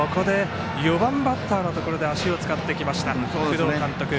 ４番バッターのところで足を使ってきた工藤監督。